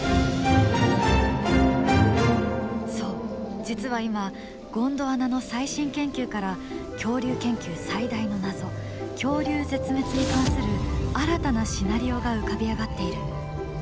そう実は今ゴンドワナの最新研究から恐竜研究最大の謎「恐竜絶滅」に関する“新たなシナリオ”が浮かび上がっている。